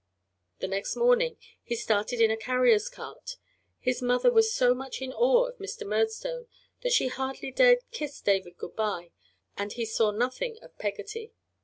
The next morning he started in a carrier's cart. His mother was so much in awe of Mr. Murdstone that she hardly dared kiss David good by, and he saw nothing of Peggotty.